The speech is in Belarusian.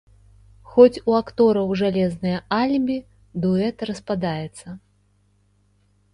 Хоць у актораў жалезнае алібі, дуэт распадаецца.